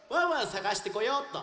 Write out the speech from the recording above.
さがしてこようっと。